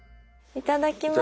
いただきます。